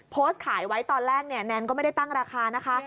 โพสต์ขายไว้ตอนแรกเนี่ยแนนก็ไม่ได้ตั้งราคานะคะ